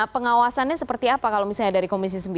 pengawasannya seperti apa kalau misalnya dari komisi sembilan